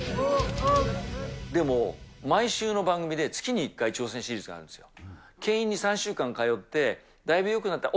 でも、毎週の番組で、月に１回挑戦シリーズがあるんですよ。